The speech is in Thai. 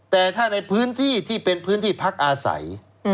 แต่ถ้าในพื้นที่ที่เป็นพื้นที่พักอาศัย